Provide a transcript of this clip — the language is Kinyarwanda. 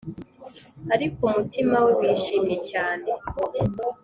ariko umutima we wishimye cyane